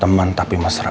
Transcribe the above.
teman tapi mesra